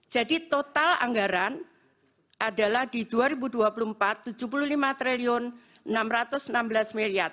jadi total anggaran adalah di dua ribu dua puluh empat rp tujuh puluh lima enam ratus enam belas